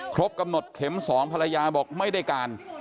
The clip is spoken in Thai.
ครบกำหนดเข็ม๒ภรรยาบอกไม่ได้การ